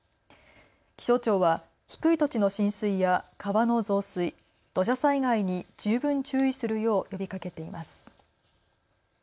気象庁は低い土地の浸水や川の増水、土砂災害に十分注意するよう呼びかけています。